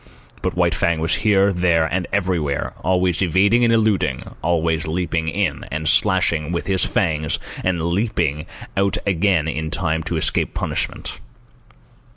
But White Fang was here, there, and everywhere, always evading and eluding, and always leaping in and slashing with his fangs and leaping out again in time to escape punishment.